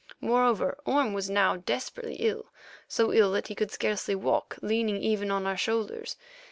Moreover, Orme was now desperately ill—so ill that he could scarcely walk leaning even on our shoulders.